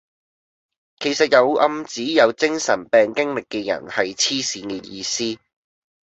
其實有暗指有精神病經歷嘅人係痴線嘅意思